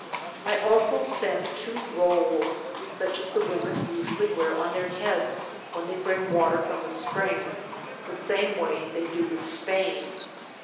I also send two rolls, such as the women usually wear on their heads when they bring water from the spring, the same way that they do in Spain.